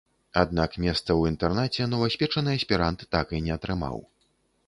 Аднак месца ў інтэрнаце новаспечаны аспірант так і не атрымаў.